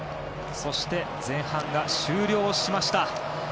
そして前半が終了しました。